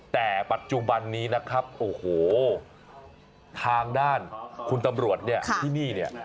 แต่ปัจจุบันนี้นะครับโอ้โหทางด้านคุณตำรวจเนี่ยที่นี่เนี่ย